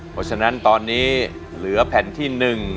เพราะฉะนั้นตอนนี้เหลือแผ่นที่๑